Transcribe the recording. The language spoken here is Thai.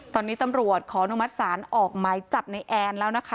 ตอนนี้ตำรวจขออนุมัติศาลออกหมายจับในแอนแล้วนะคะ